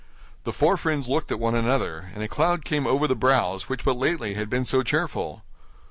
The four friends looked at one another, and a cloud came over the brows which but lately had been so cheerful.